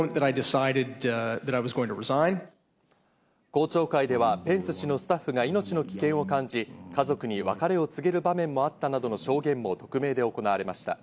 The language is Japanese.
公聴会ではペンス氏のスタッフが命の危険を感じ、家族に別れを告げる場面もあったなどの証言も匿名で行われました。